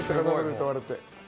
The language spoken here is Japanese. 歌われて。